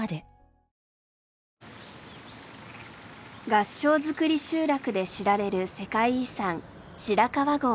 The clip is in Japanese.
合掌造り集落で知られる世界遺産白川郷。